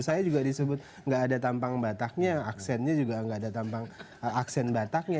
saya juga disebut nggak ada tampang bataknya aksennya juga nggak ada tampang aksen bataknya